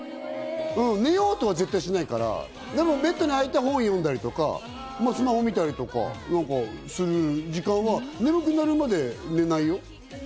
寝ようとは絶対しないから、ベッドに入って本読んだり、スマホ見たりとか、眠くなるまで寝ないよ。